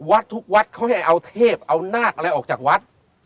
วัดทุกวัดเขาให้เอาเทพเอานาคอะไรออกจากวัด